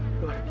luar biasa siti